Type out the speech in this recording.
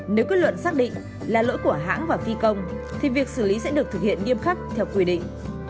nếu kết luận xác định là lỗi của hãng và phi công thì việc xử lý sẽ được thực hiện nghiêm khắc theo quy định